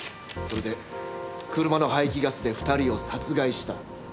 それで車の排気ガスで２人を殺害した。